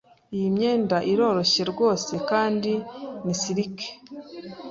Iyi myenda iroroshye rwose kandi ni silike.